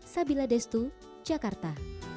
sabila destu jakarta